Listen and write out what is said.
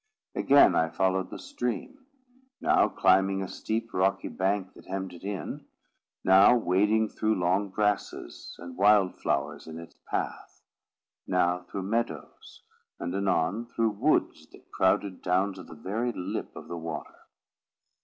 Again I followed the stream; now climbing a steep rocky bank that hemmed it in; now wading through long grasses and wild flowers in its path; now through meadows; and anon through woods that crowded down to the very lip of the water.